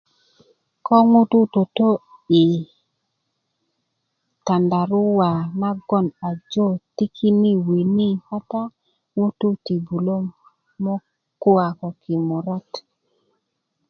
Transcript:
ko ŋutu' toto yi tandaruwa nagon ajo tikini wini kata ŋutu ti bulö mok kowa ko kimurat